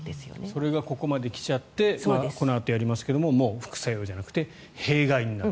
それがここまで来ちゃってこのあとやりますがもう副作用じゃなくて弊害になったと。